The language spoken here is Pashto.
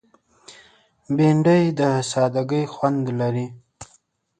بېنډۍ د سادګۍ خوند لري